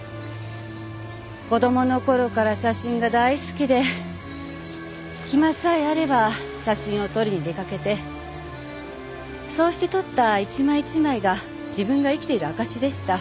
子供の頃から写真が大好きで暇さえあれば写真を撮りに出かけてそうして撮った一枚一枚が自分が生きている証しでした。